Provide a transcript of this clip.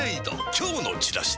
今日のチラシで